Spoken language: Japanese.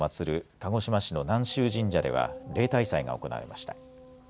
鹿児島市の南洲神社では例大祭が行われました。